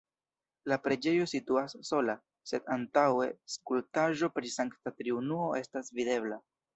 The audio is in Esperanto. La preĝejo situas sola, sed antaŭe skulptaĵo pri Sankta Triunuo estas videbla.